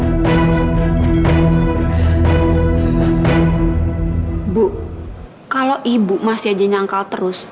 ibu kalau ibu masih aja nyangkal terus